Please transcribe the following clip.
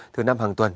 thứ năm hàng tuần